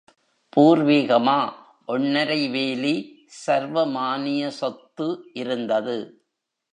பூர்வீகமா ஒண்ணரை வேலி சர்வமானிய சொத்து இருந்தது.